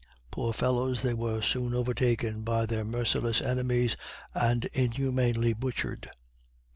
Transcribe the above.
Poor fellows, they were soon overtaken by their merciless enemies and inhumanly butchered.